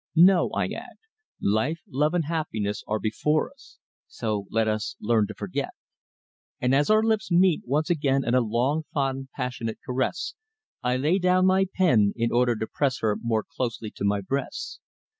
No," I add, "life, love, and happiness are before us. So let us learn to forget." And as our lips meet once again in a long, fond, passionate caress, I lay down my pen in order to press her more closely to my breast.